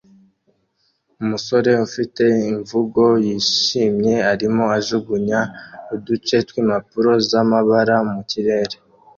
Umusore ufite imvugo yishimye arimo ajugunya uduce twimpapuro zamabara mukirere